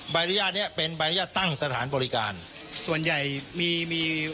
ใบอนุญาตเนี้ยเป็นใบอนุญาตตั้งสถานบริการส่วนใหญ่มีมี